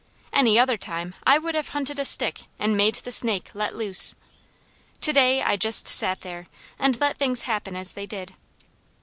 Any other time I would have hunted a stick and made the snake let loose. To day I just sat there and let things happen as they did.